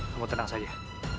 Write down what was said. kamu tenang saja